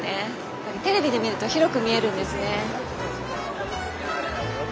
やっぱりテレビで見ると広く見えるんですね。